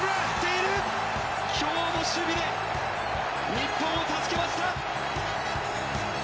今日も守備で日本を助けました。